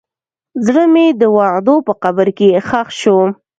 زړه مې د وعدو په قبر کې ښخ شو.